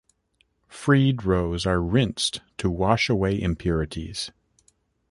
Freed roes are rinsed to wash away impurities.